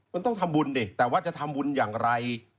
มันต้องทำบุญดิแต่ว่าจะทำบุญอย่างไร